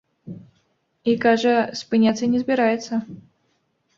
І, кажа, спыняцца не збіраецца.